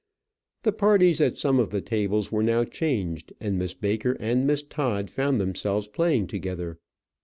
The parties at some of the tables were now changed, and Miss Baker and Miss Todd found themselves playing together.